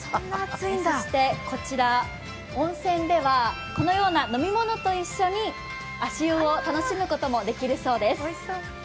そしてこちら、温泉では飲み物と一緒に足湯を楽しむこともできるそうです。